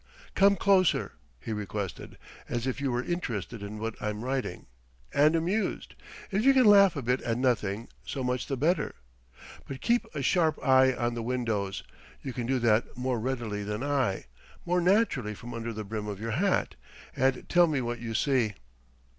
"Come closer," he requested "as if you were interested in what I'm writing and amused; if you can laugh a bit at nothing, so much the better. But keep a sharp eye on the windows. You can do that more readily than I, more naturally from under the brim of your hat.... And tell me what you see...."